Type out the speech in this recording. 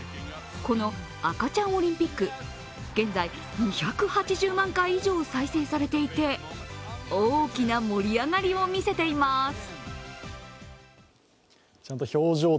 この赤ちゃんオリンピック、現在２８０万回以上再生されていて大きな盛り上がりを見せています。